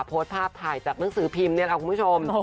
โพสต์ภาพถ่ายจากหนังสือพิมพ์เนี่ยค่ะคุณผู้ชม